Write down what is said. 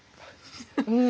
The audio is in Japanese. うん。